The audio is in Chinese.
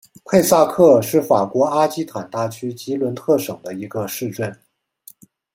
佩萨克是法国阿基坦大区吉伦特省的一个市镇。